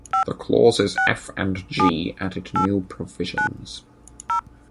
The clauses (f) and (g) added new provisions.